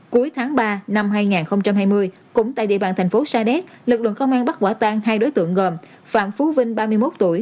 cuối tháng ba năm hai nghìn hai mươi cũng tại địa bàn thành phố sa đéc lực lượng công an bắt quả tang hai đối tượng gồm phạm phú vinh ba mươi một tuổi